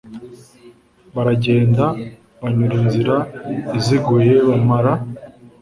baragenda banyura inzira iziguye bamara